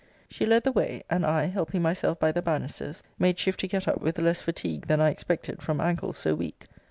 She led the way; and I, helping myself by the banisters, made shift to get up with less fatigue than I expected from ancles so weak.